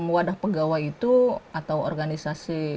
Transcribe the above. wadah pegawai itu atau organisasi